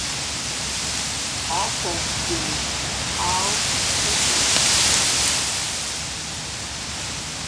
Also see Tau-Titi.